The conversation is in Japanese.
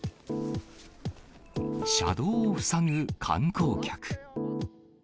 車道を塞ぐ観光客。